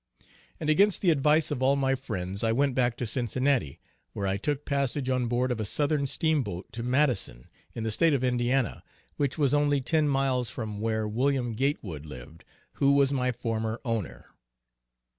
And against the advice of all my friends, I went back to Cincinnati, where I took passage on board of a Southern steamboat to Madison, in the State of Indiana, which was only ten miles from where Wm. Gatewood lived, who was my former owner.